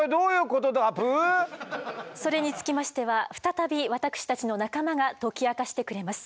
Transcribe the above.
それにつきましては再び私たちの仲間が解き明かしてくれます。